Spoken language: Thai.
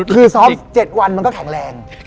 คือซ้อม๗วันมันก็แข็งแรง